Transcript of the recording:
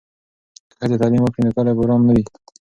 که ښځې تعلیم وکړي نو کلي به وران نه وي.